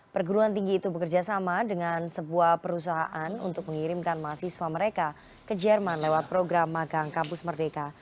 perguruan tinggi itu bekerja sama dengan sebuah perusahaan untuk mengirimkan mahasiswa mereka ke jerman lewat program magang kampus merdeka